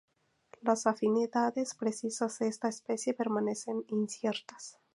Las afinidades precisas de esta especie permanecen inciertas.